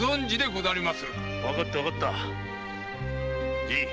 分かった分かったじい！